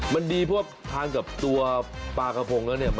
มันดีเพราะทานกับตัวปลากระพงแล้วเนี่ย